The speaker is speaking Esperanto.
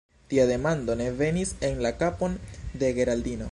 Tia demando ne venis en la kapon de Geraldino: